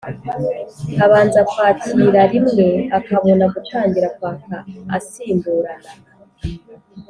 abanza kwakirarimwe akabona gutangira kwaka asimburana